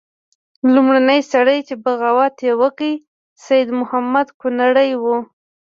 لومړنی سړی چې بغاوت یې وکړ سید محمود کنړی وو.